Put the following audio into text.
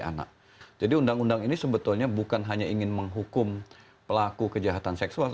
anak jadi undang undang ini sebetulnya bukan hanya ingin menghukum pelaku kejahatan seksual